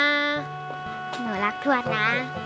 หนูรักทวดนะ